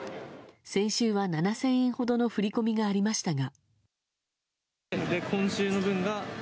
先週は７０００円ほどの振り込みがありましたが。